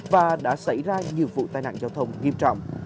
và đã xảy ra nhiều vụ tai nạn giao thông nghiêm trọng